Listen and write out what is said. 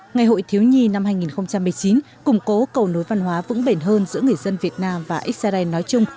ngày hội thiếu nhi năm hai nghìn một mươi chín củng cố cầu nối văn hóa vững bền hơn giữa người dân việt nam và israel nói chung